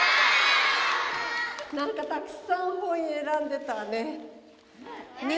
何かたくさん本選んでたわね。